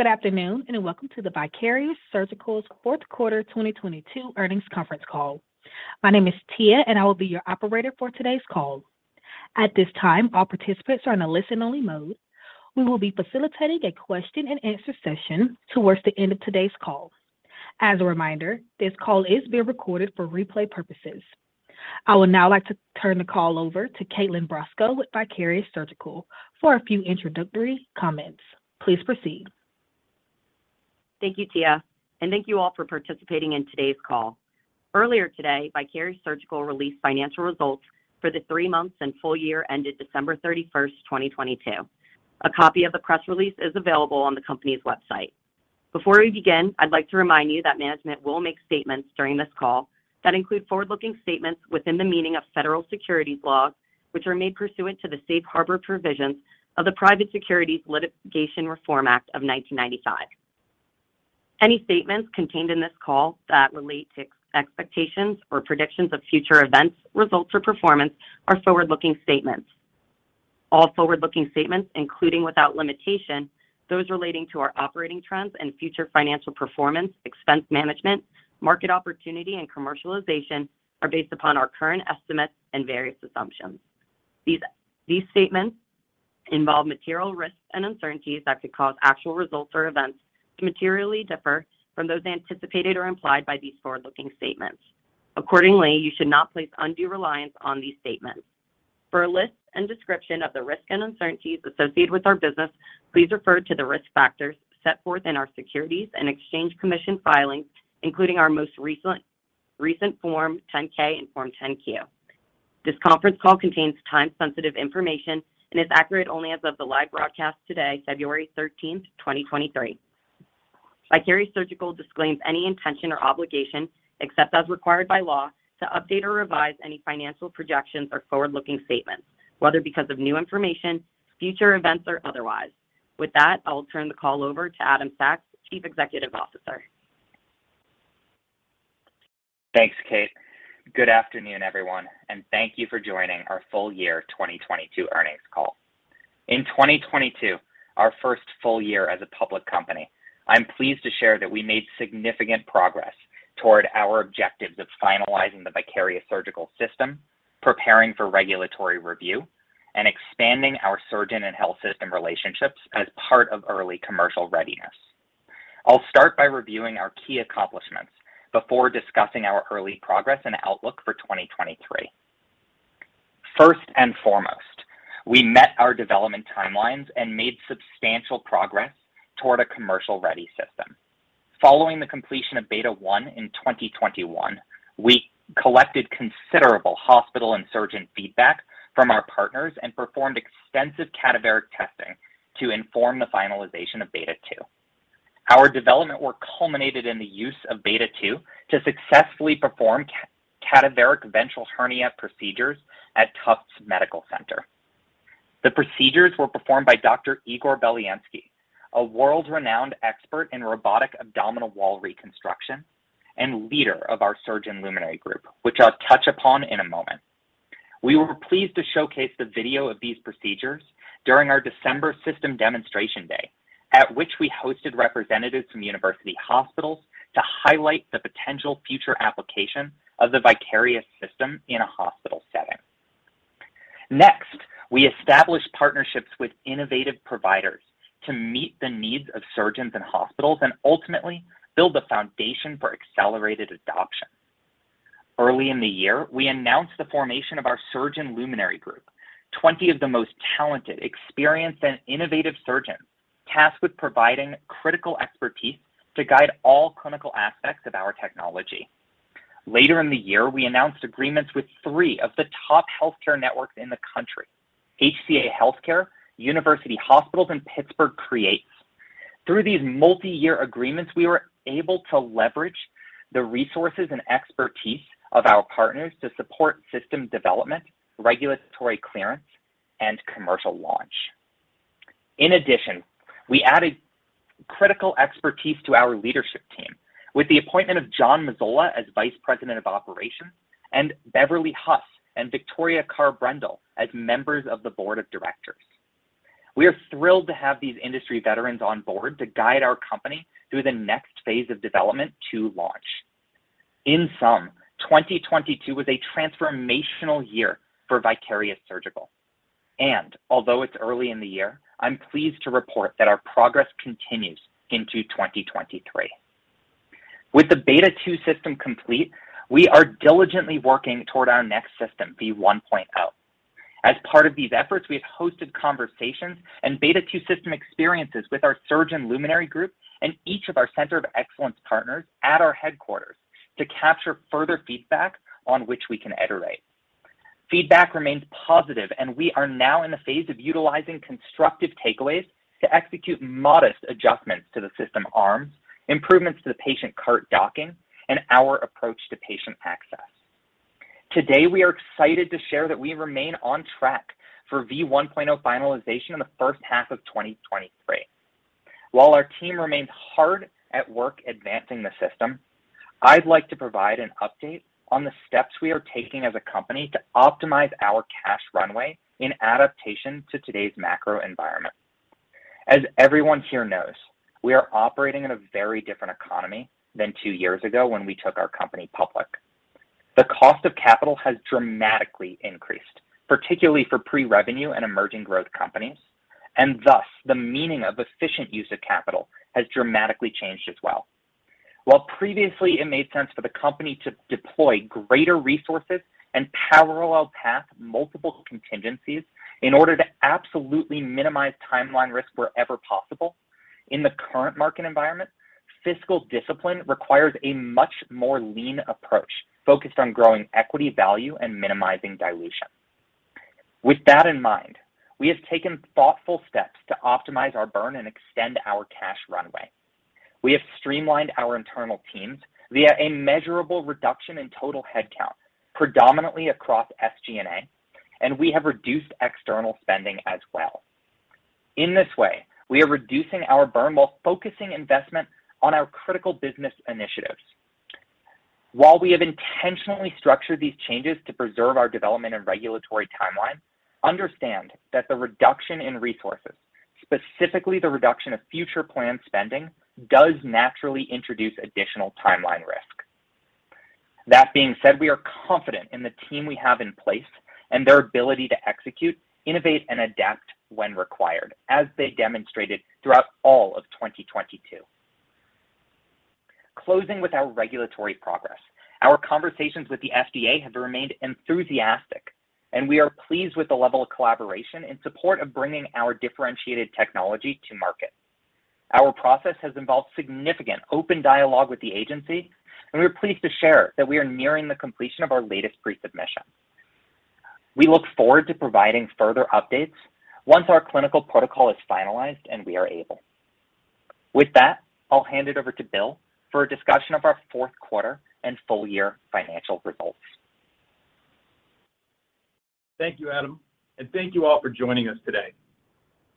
Good afternoon, welcome to the Vicarious Surgical's fourth quarter 2022 earnings conference call. My name is Tia, I will be your operator for today's call. At this time, all participants are in a listen-only mode. We will be facilitating a question and answer session towards the end of today's call. As a reminder, this call is being recorded for replay purposes. I would now like to turn the call over to Kaitlyn Brosco with Vicarious Surgical for a few introductory comments. Please proceed. Thank you, Tia, and thank you all for participating in today's call. Earlier today, Vicarious Surgical released financial results for the 3 months and full year ended December 31st, 2022. A copy of the press release is available on the company's website. Before we begin, I'd like to remind you that management will make statements during this call that include forward-looking statements within the meaning of federal securities laws, which are made pursuant to the Safe Harbor provisions of the Private Securities Litigation Reform Act of 1995. Any statements contained in this call that relate to expectations or predictions of future events, results, or performance are forward-looking statements. All forward-looking statements, including without limitation, those relating to our operating trends and future financial performance, expense management, market opportunity, and commercialization, are based upon our current estimates and various assumptions. These statements involve material risks and uncertainties that could cause actual results or events to materially differ from those anticipated or implied by these forward-looking statements. Accordingly, you should not place undue reliance on these statements. For a list and description of the risks and uncertainties associated with our business, please refer to the risk factors set forth in our Securities and Exchange Commission filings, including our most recent Form 10-K and Form 10-Q. This conference call contains time-sensitive information and is accurate only as of the live broadcast today, February thirteenth, 2023. Vicarious Surgical disclaims any intention or obligation, except as required by law, to update or revise any financial projections or forward-looking statements, whether because of new information, future events, or otherwise. With that, I'll turn the call over to Adam Sachs, Chief Executive Officer. Thanks, Kate. Good afternoon, everyone, and thank you for joining our full year 2022 earnings call. In 2022, our first full year as a public company, I'm pleased to share that we made significant progress toward our objectives of finalizing the Vicarious Surgical System, preparing for regulatory review, and expanding our surgeon and health system relationships as part of early commercial readiness. I'll start by reviewing our key accomplishments before discussing our early progress and outlook for 2023. First and foremost, we met our development timelines and made substantial progress toward a commercial-ready system. Following the completion of Beta 1 in 2021, we collected considerable hospital and surgeon feedback from our partners and performed extensive cadaveric testing to inform the finalization of Beta 2. Our development work culminated in the use of Beta 2 to successfully perform cadaveric ventral hernia procedures at Tufts Medical Center. The procedures were performed by Dr. Igor Belyansky, a world-renowned expert in robotic abdominal wall reconstruction and leader of our Surgeon Luminary Group, which I'll touch upon in a moment. We were pleased to showcase the video of these procedures during our December system demonstration day, at which we hosted representatives from University Hospitals to highlight the potential future application of the Vicarious system in a hospital setting. Next, we established partnerships with innovative providers to meet the needs of surgeons and hospitals and ultimately build the foundation for accelerated adoption. Early in the year, we announced the formation of our Surgeon Luminary Group, 20 of the most talented, experienced, and innovative surgeons tasked with providing critical expertise to guide all clinical aspects of our technology. Later in the year, we announced agreements with three of the top healthcare networks in the country, HCA Healthcare, University Hospitals, and Pittsburgh CREATES. Through these multi-year agreements, we were able to leverage the resources and expertise of our partners to support system development, regulatory clearance, and commercial launch. In addition, we added critical expertise to our leadership team with the appointment of John Mazzola as Vice President of Operations and Beverly Huss and Victoria Carr-Brendel as members of the board of directors. We are thrilled to have these industry veterans on board to guide our company through the next phase of development to launch. In sum, 2022 was a transformational year for Vicarious Surgical, and although it's early in the year, I'm pleased to report that our progress continues into 2023. With the Beta 2 system complete, we are diligently working toward our next system, V1.0. As part of these efforts, we've hosted conversations and Beta 2 System experiences with our Surgeon Luminary Group and each of our Center of Excellence partners at our headquarters to capture further feedback on which we can iterate. Feedback remains positive. We are now in the phase of utilizing constructive takeaways to execute modest adjustments to the system arms, improvements to the patient cart docking, and our approach to patient access. Today, we are excited to share that we remain on track for V1.0 finalization in the first half of 2023. While our team remains hard at work advancing the system, I'd like to provide an update on the steps we are taking as a company to optimize our cash runway in adaptation to today's macro environment. As everyone here knows, we are operating in a very different economy than two years ago when we took our company public. The cost of capital has dramatically increased, particularly for pre-revenue and emerging growth companies, and thus, the meaning of efficient use of capital has dramatically changed as well. While previously it made sense for the company to deploy greater resources and parallel path multiple contingencies in order to absolutely minimize timeline risk wherever possible, in the current market environment, fiscal discipline requires a much more lean approach focused on growing equity value and minimizing dilution. With that in mind, we have taken thoughtful steps to optimize our burn and extend our cash runway. We have streamlined our internal teams via a measurable reduction in total headcount, predominantly across SG&A, and we have reduced external spending as well. In this way, we are reducing our burn while focusing investment on our critical business initiatives. While we have intentionally structured these changes to preserve our development and regulatory timeline, understand that the reduction in resources, specifically the reduction of future planned spending, does naturally introduce additional timeline risk. That being said, we are confident in the team we have in place and their ability to execute, innovate, and adapt when required, as they demonstrated throughout all of 2022. Closing with our regulatory progress, our conversations with the FDA have remained enthusiastic, and we are pleased with the level of collaboration in support of bringing our differentiated technology to market. Our process has involved significant open dialogue with the agency, and we are pleased to share that we are nearing the completion of our latest pre-submission. We look forward to providing further updates once our clinical protocol is finalized and we are able. With that, I'll hand it over to Bill for a discussion of our fourth quarter and full year financial results. Thank you, Adam, and thank you all for joining us today.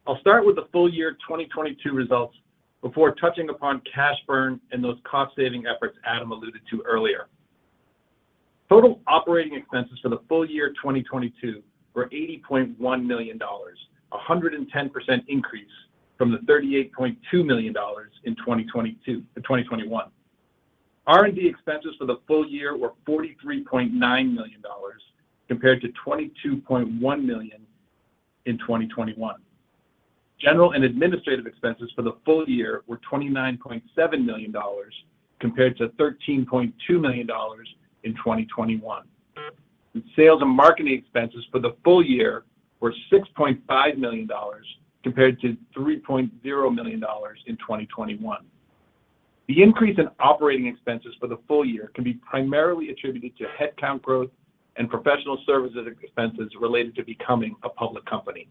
I'll start with the full year 2022 results before touching upon cash burn and those cost-saving efforts Adam alluded to earlier. Total operating expenses for the full year 2022 were $80.1 million, a 110% increase from the $38.2 million in 2021. R&D expenses for the full year were $43.9 million compared to $22.1 million in 2021. General and administrative expenses for the full year were $29.7 million compared to $13.2 million in 2021. Sales and marketing expenses for the full year were $6.5 million compared to $3.0 million in 2021. The increase in operating expenses for the full year can be primarily attributed to headcount growth and professional services expenses related to becoming a public company.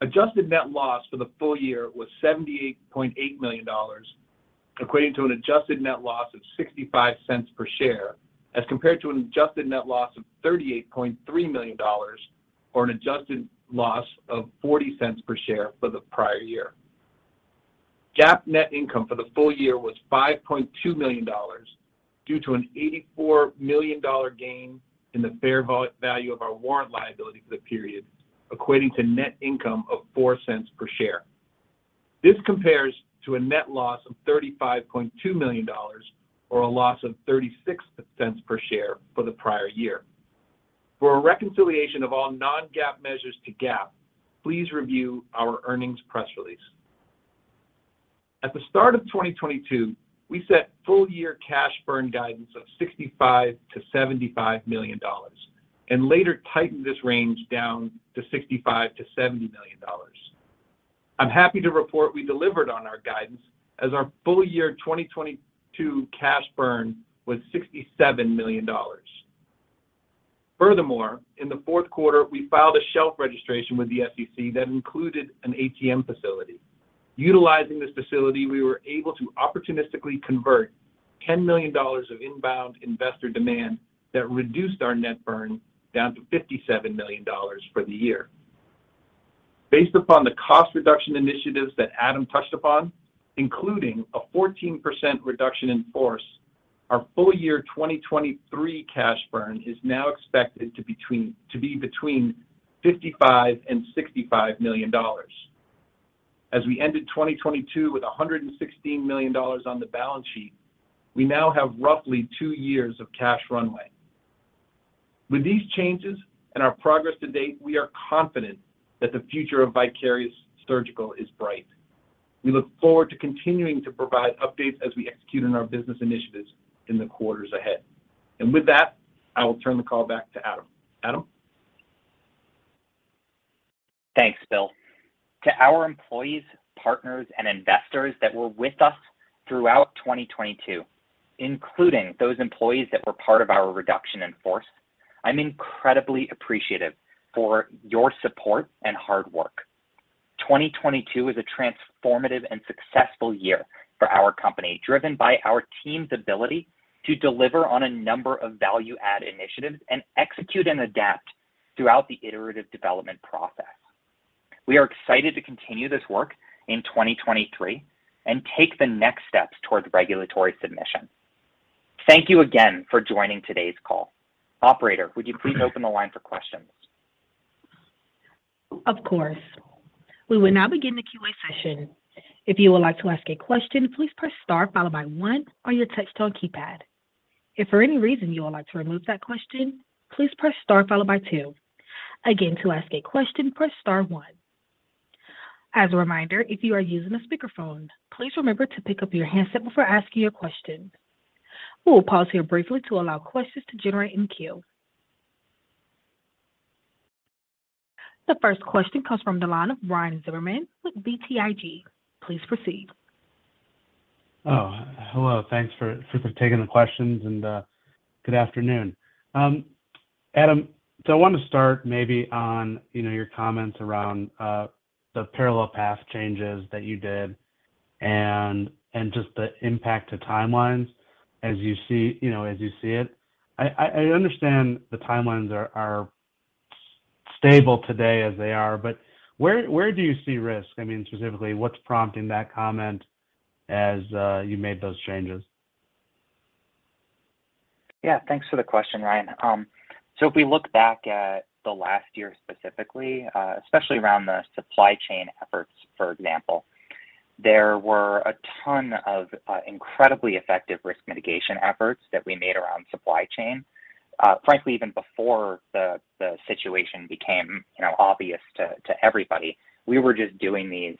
Adjusted net loss for the full year was $78.8 million, equating to an adjusted net loss of $0.65 per share, as compared to an adjusted net loss of $38.3 million or an adjusted loss of $0.40 per share for the prior year. GAAP net income for the full year was $5.2 million due to an $84 million gain in the fair value of our warrant liability for the period, equating to net income of $0.04 per share. This compares to a net loss of $35.2 million or a loss of $0.36 per share for the prior year. For a reconciliation of all non-GAAP measures to GAAP, please review our earnings press release. At the start of 2022, we set full year cash burn guidance of $65 million-$75 million and later tightened this range down to $65 million-$70 million. I'm happy to report we delivered on our guidance as our full year 2022 cash burn was $67 million. In the fourth quarter, we filed a shelf registration with the SEC that included an ATM facility. Utilizing this facility, we were able to opportunistically convert $10 million of inbound investor demand that reduced our net burn down to $57 million for the year. Based upon the cost reduction initiatives that Adam touched upon, including a 14% reduction in force, our full year 2023 cash burn is now expected to be between $55 million and $65 million. As we ended 2022 with $116 million on the balance sheet, we now have roughly 2 years of cash runway. With these changes and our progress to date, we are confident that the future of Vicarious Surgical is bright. We look forward to continuing to provide updates as we execute on our business initiatives in the quarters ahead. With that, I will turn the call back to Adam. Adam? Thanks, Bill. To our employees, partners, and investors that were with us throughout 2022, including those employees that were part of our reduction in force, I'm incredibly appreciative for your support and hard work. 2022 is a transformative and successful year for our company, driven by our team's ability to deliver on a number of value add initiatives and execute and adapt throughout the iterative development process. We are excited to continue this work in 2023 and take the next steps towards regulatory submission. Thank you again for joining today's call. Operator, would you please open the line for questions? Of course. We will now begin the QA session. If you would like to ask a question, please press star followed by one on your touchtone keypad. If for any reason you would like to remove that question, please press star followed by two. Again, to ask a question, press star one. As a reminder, if you are using a speakerphone, please remember to pick up your handset before asking your question. We will pause here briefly to allow questions to generate in queue. The first question comes from the line of Ryan Zimmerman with BTIG. Please proceed. Hello. Thanks for taking the questions. Good afternoon. Adam, I wanted to start maybe on, you know, your comments around the parallel path changes that you did and just the impact to timelines as you see it. I understand the timelines are stable today as they are, but where do you see risk? I mean, specifically, what's prompting that comment as you made those changes? Yeah. Thanks for the question, Ryan. If we look back at the last year specifically, especially around the supply chain efforts, for example, there were a ton of incredibly effective risk mitigation efforts that we made around supply chain. Frankly, even before the situation became, you know, obvious to everybody, we were just doing these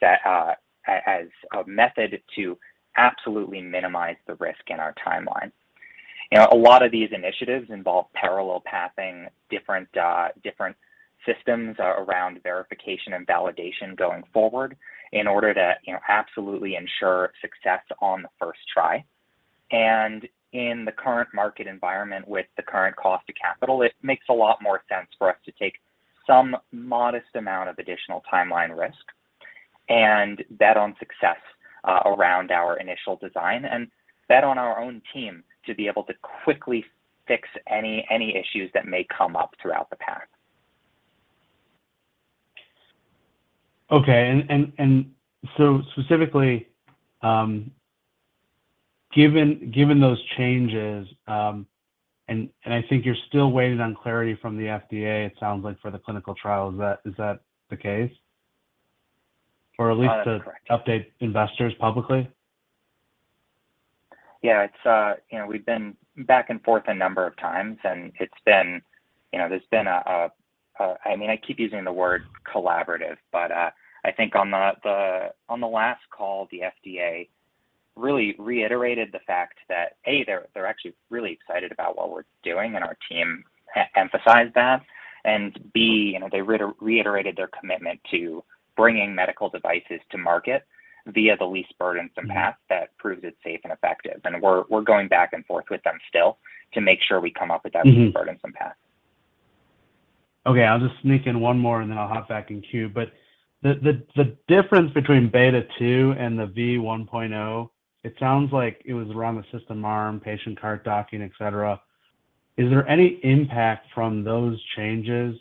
as a method to absolutely minimize the risk in our timeline. You know, a lot of these initiatives involve parallel pathing different systems around verification and validation going forward in order to, you know, absolutely ensure success on the first try. In the current market environment with the current cost of capital, it makes a lot more sense for us to take some modest amount of additional timeline risk and bet on success, around our initial design and bet on our own team to be able to quickly fix any issues that may come up throughout the path. Okay. Specifically, given those changes, and I think you're still waiting on clarity from the FDA, it sounds like, for the clinical trials. Is that the case? Or at least That is correct.... update investors publicly? Yeah. It's. You know, we've been back and forth a number of times. You know, there's been a. I mean, I keep using the word collaborative, but I think on the last call, the FDA really reiterated the fact that, A, they're actually really excited about what we're doing, and our team e-emphasized that. B, you know, they reiterated their commitment to bringing medical devices to market via the least burdensome path that proves it's safe and effective. We're going back and forth with them still to make sure we come up with that. Mm-hmm least burdensome path. Okay. I'll just sneak in one more, and then I'll hop back in queue. The difference between Beta 2 and the V1.0, it sounds like it was around the system arm, patient cart docking, et cetera. Is there any impact from those changes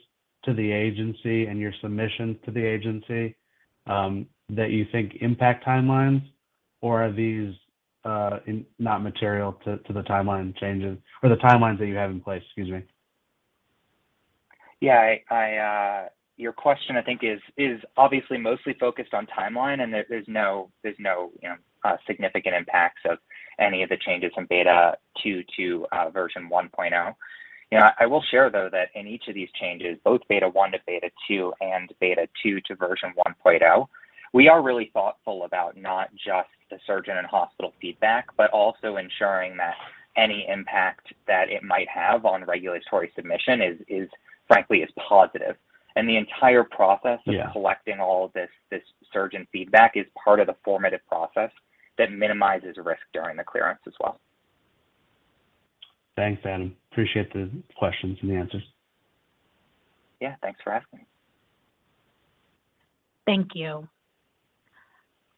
to the agency and your submissions to the agency that you think impact timelines, or are these not material to the timeline changes or the timelines that you have in place? Excuse me. Yeah. I. Your question, I think, is obviously mostly focused on timeline, and there's no, you know, significant impacts of any of the changes from Beta 2 to V1.0. You know, I will share, though, that in each of these changes, both Beta 1 to Beta 2 and Beta 2 to V1.0, we are really thoughtful about not just the surgeon and hospital feedback, but also ensuring that any impact that it might have on regulatory submission is, frankly, is positive. The entire process... Yeah... of collecting all of this surgeon feedback is part of the formative process that minimizes risk during the clearance as well. Thanks, Adam. Appreciate the questions and the answers. Yeah. Thanks for asking. Thank you.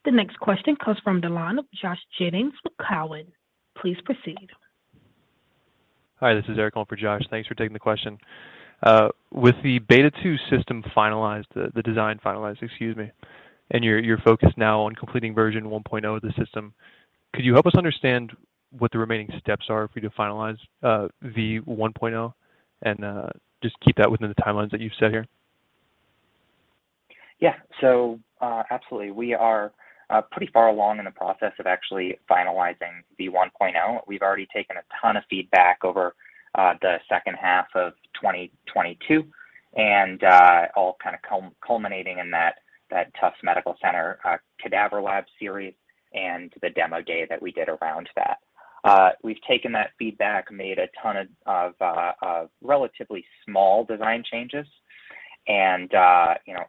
The next question comes from the line of Josh Jennings with Cowen. Please proceed. Hi. This is Eric calling for Josh. Thanks for taking the question. With the Beta 2 system finalized, the design finalized, excuse me, and you're focused now on completing V1.0 of the system, could you help us understand what the remaining steps are for you to finalize V1.0 and just keep that within the timelines that you've set here? Absolutely. We are pretty far along in the process of actually finalizing V1.0. We've already taken a ton of feedback over the second half of 2022 and all kind of culminating in that Tufts Medical Center cadaver lab series and the demo day that we did around that. We've taken that feedback, made a ton of relatively small design changes and, you know,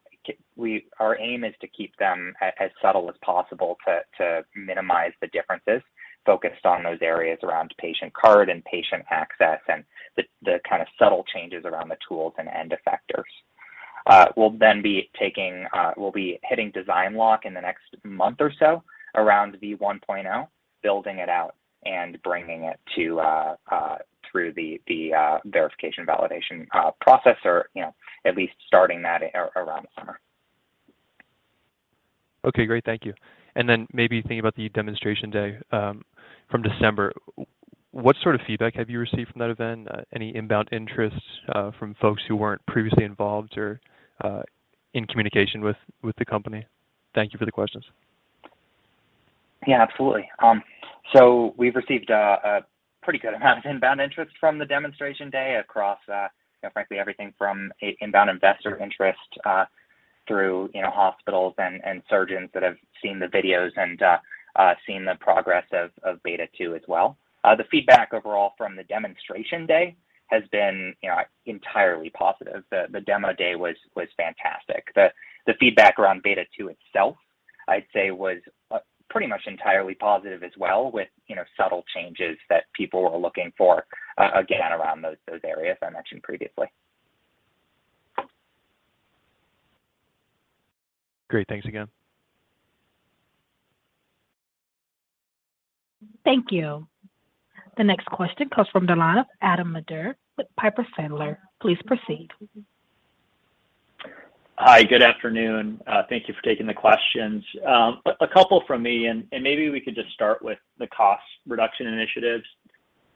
our aim is to keep them as subtle as possible to minimize the differences focused on those areas around patient card and patient access and the kind of subtle changes around the tools and end effectors. We'll then be taking... We'll be hitting design lock in the next month or so around V1.0, building it out and bringing it through the verification/validation process or, you know, at least starting that around the summer. Okay, great. Thank you. Maybe thinking about the demonstration day from December, what sort of feedback have you received from that event? Any inbound interests from folks who weren't previously involved or in communication with the company? Thank you for the questions. Yeah, absolutely. We've received a pretty good amount of inbound interest from the demonstration day across, you know, frankly, everything from an inbound investor interest, through, you know, hospitals and surgeons that have seen the videos and seen the progress of Beta 2 as well. The feedback overall from the demonstration day has been, you know, entirely positive. The demo day was fantastic. The feedback around Beta 2 itself, I'd say was pretty much entirely positive as well with, you know, subtle changes that people were looking for, again, around those areas I mentioned previously. Great. Thanks again. Thank you. The next question comes from the line of Adam Maeder with Piper Sandler. Please proceed. Hi, good afternoon. Thank you for taking the questions. A couple from me. Maybe we could just start with the cost reduction initiatives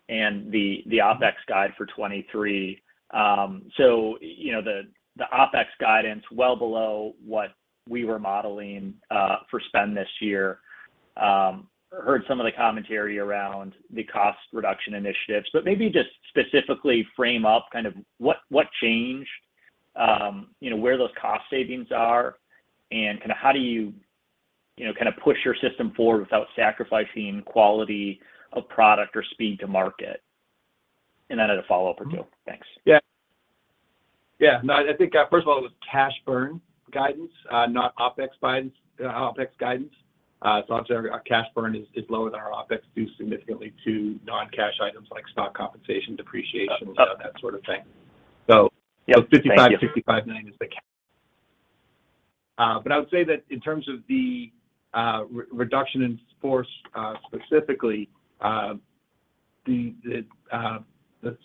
and the OpEx guide for 23. You know, the OpEx guidance well below what we were modeling for spend this year. Heard some of the commentary around the cost reduction initiatives, but maybe just specifically frame up what changed, you know, where those cost savings are, and kinda how do you know, kinda push your system forward without sacrificing quality of product or speed to market? Then I had a follow-up or two. Thanks. Yeah. Yeah. No, I think, first of all, it was cash burn guidance, not OpEx guidance. I'm sorry. Our cash burn is lower than our OpEx due significantly to non-cash items like stock compensation, depreciation... Got it. That sort of thing. Yep. Thank you. 55.59 is the cap. I would say that in terms of the re-reduction in force, specifically, the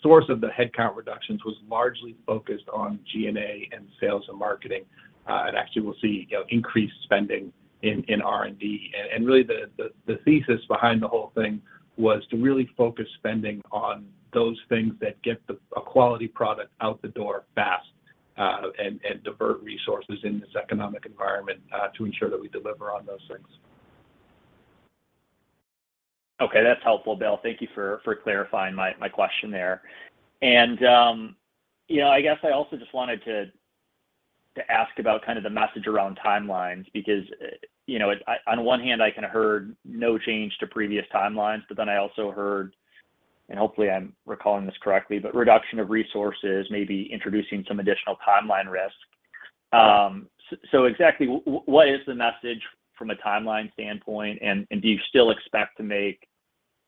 source of the headcount reductions was largely focused on G&A and sales and marketing. Actually we'll see, you know, increased spending in R&D. Really the thesis behind the whole thing was to really focus spending on those things that get a quality product out the door fast, and divert resources in this economic environment, to ensure that we deliver on those things. Okay. That's helpful, Bill. Thank you for clarifying my question there. You know, I guess I also just wanted to ask about kind of the message around timelines because, you know, on one hand I kinda heard no change to previous timelines, but then I also heard, and hopefully I'm recalling this correctly, but reduction of resources may be introducing some additional timeline risk. Exactly what is the message from a timeline standpoint? Do you still expect to make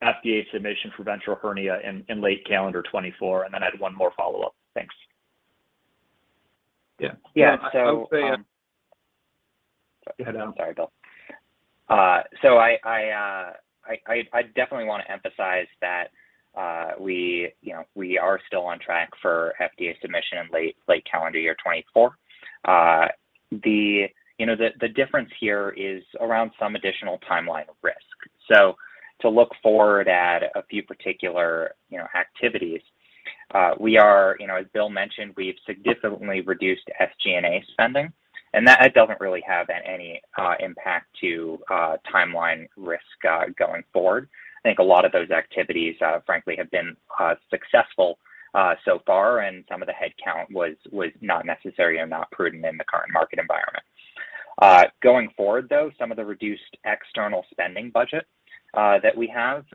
FDA submission for ventral hernia in late calendar 2024? Then I had one more follow-up. Thanks. Yeah. Yeah. I would say. Go ahead, Adam. I'm sorry, Bill. I definitely wanna emphasize that we, you know, we are still on track for FDA submission in late calendar year 2024. The, you know, the difference here is around some additional timeline risk. To look forward at a few particular, you know, activities, we are, you know, as Bill mentioned, we've significantly reduced SG&A spending, and that doesn't really have any impact to timeline risk going forward. I think a lot of those activities, frankly, have been successful so far, and some of the head count was not necessary or not prudent in the current market environment. Going forward, though, some of the reduced external spending budget, that we have,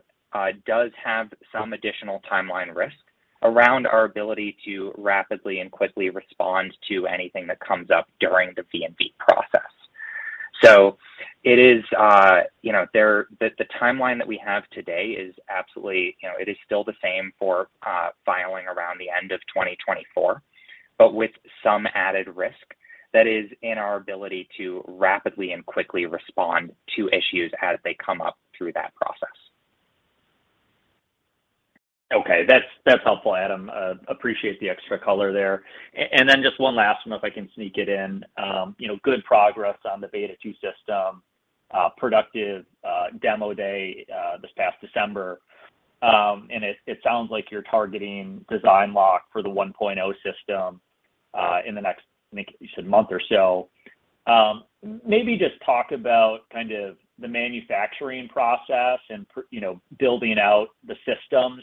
does have some additional timeline risk around our ability to rapidly and quickly respond to anything that comes up during the V&V process. It is, you know, the timeline that we have today is absolutely, you know, it is still the same for, filing around the end of 2024, but with some added risk that is in our ability to rapidly and quickly respond to issues as they come up through that process. Okay. That's, that's helpful, Adam. Appreciate the extra color there. Just one last one if I can sneak it in. You know, good progress on the Beta 2 system, productive demo day this past December. It sounds like you're targeting design lock for the V1.0 system in the next, I think you said month or so. Maybe just talk about kind of the manufacturing process and you know, building out the systems.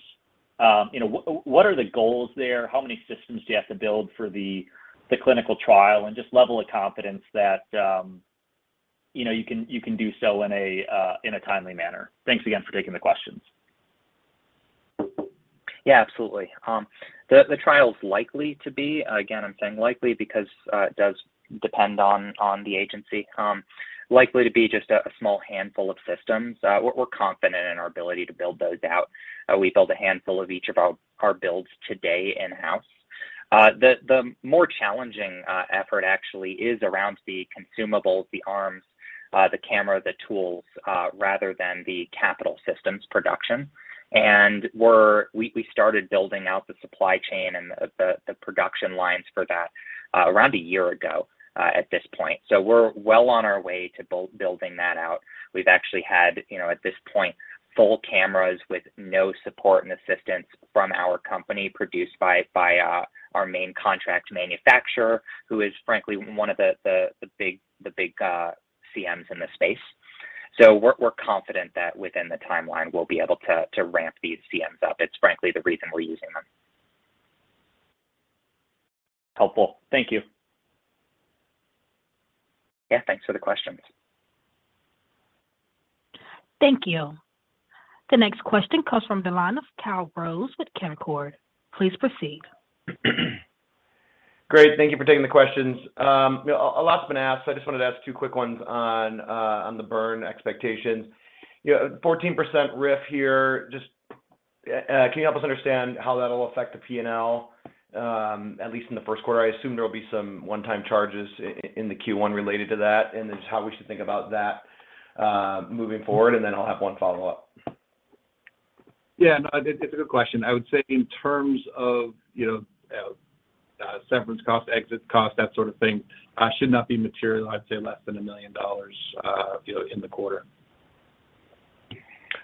You know, what are the goals there? How many systems do you have to build for the clinical trial? Just level of confidence that, you know, you can do so in a timely manner. Thanks again for taking the questions. Yeah, absolutely. The trial's likely to be, again, I'm saying likely because it does depend on the agency, likely to be just a small handful of systems. We're confident in our ability to build those out. We build a handful of each of our builds today in-house. The more challenging effort actually is around the consumables, the arms, the camera, the tools, rather than the capital systems production. We started building out the supply chain and the production lines for that. Around a year ago, at this point. We're well on our way to building that out. We've actually had, you know, at this point, full cameras with no support and assistance from our company, produced by our main contract manufacturer, who is, frankly, one of the big CMs in the space. We're confident that within the timeline we'll be able to ramp these CMs up. It's frankly the reason we're using them. Helpful. Thank you. Yeah, thanks for the questions. Thank you. The next question comes from the line of Kyle Rose with Canaccord. Please proceed. Great. Thank you for taking the questions. You know, a lot's been asked, so I just wanted to ask two quick ones on the burn expectations. You know, 14% RIF here. Just, can you help us understand how that'll affect the P&L, at least in the first quarter? I assume there will be some one-time charges in the Q1 related to that, and then just how we should think about that moving forward. I'll have one follow-up. Yeah. No, it's a good question. I would say in terms of, you know, severance costs, exit costs, that sort of thing, should not be material. I'd say less than $1 million, you know, in the quarter.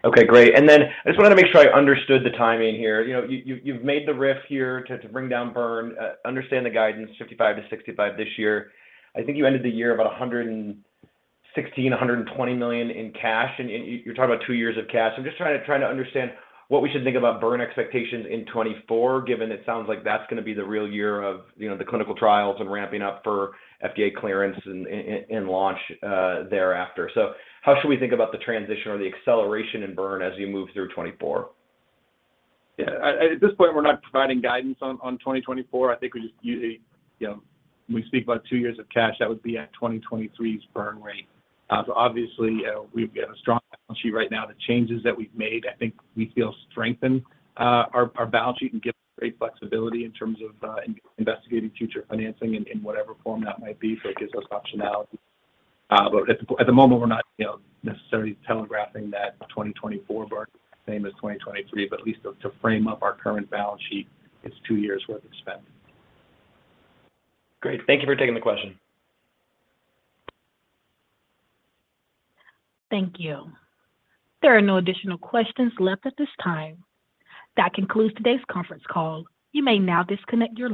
Okay, great. Then I just wanted to make sure I understood the timing here. You know, you've made the RIF here to bring down burn. Understand the guidance, $55 million to $65 million this year. I think you ended the year about $116 million, $120 million in cash. You're talking about two years of cash. Just trying to understand what we should think about burn expectations in 2024, given it sounds like that's gonna be the real year of, you know, the clinical trials and ramping up for FDA clearance and launch thereafter. How should we think about the transition or the acceleration in burn as you move through 2024? Yeah. At this point, we're not providing guidance on 2024. I think we just. You know, when we speak about two years of cash, that would be at 2023's burn rate. Obviously, we've got a strong balance sheet right now. The changes that we've made, I think we feel strengthen our balance sheet and give great flexibility in terms of investigating future financing in whatever form that might be. It gives us optionality. At the moment, we're not, you know, necessarily telegraphing that 2024 burn the same as 2023, but at least to frame up our current balance sheet, it's two years worth of spend. Great. Thank you for taking the question. Thank you. There are no additional questions left at this time. That concludes today's conference call. You may now disconnect your line.